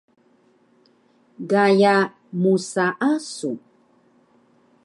Gaya msaasu